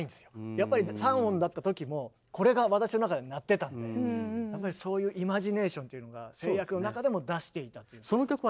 やっぱり３音だった時もこれが私の中で鳴ってたんでやっぱりそういうイマジネーションっていうのが制約の中でも出していたという。